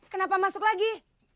kenapa masuk lagi